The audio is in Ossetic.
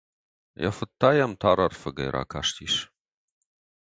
Йӕ фыд та йӕм тарӕрфыгӕй ракастис.